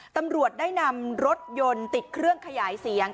ตำรวจได้นำรถยนต์ติดเครื่องขยายเสียง